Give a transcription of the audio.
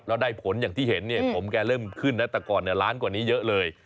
แล้วได้ผลอย่างที่เห็นเนี่ยผมแกเริ่มขึ้นนะแต่ก่อนล้านกว่านี้เยอะเลย